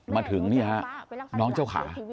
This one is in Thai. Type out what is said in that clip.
มาถึงนี่ฮะน้องเจ้าขา